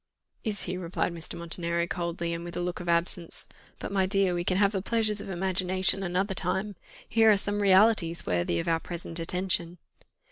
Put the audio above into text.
"Is he?" replied Mr. Montenero coldly, and with a look of absence. "But, my dear, we can have the pleasures of the imagination another time. Here are some realities worthy of our present attention."